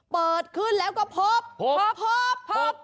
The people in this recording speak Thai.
เปิดขึ้นแล้วก็พบพบ